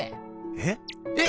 えっ⁉えっ！